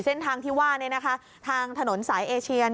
เส้นทางที่ว่าทางถนนสายเอเชีย